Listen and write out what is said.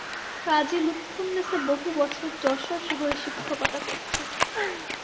কাজী লুৎফুন্নেসা বহু বছর যশোর শহরে শিক্ষকতা করছেন।